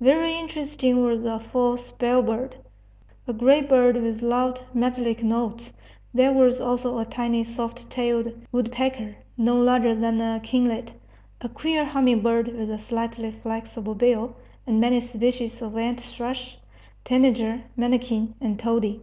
Very interesting was the false bellbird, a gray bird with loud, metallic notes. There was also a tiny soft tailed woodpecker, no larger than a kinglet; a queer humming bird with a slightly flexible bill; and many species of ant thrush, tanager, manakin, and tody.